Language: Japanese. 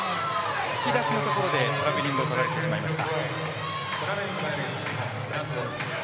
突き出しのところでトラベリングをとられてしまいました。